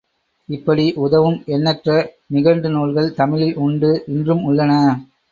இப்படி உதவும் எண்ணற்ற நிகண்டு நூல்கள் தமிழில் உண்டு இன்றும் உள்ளன.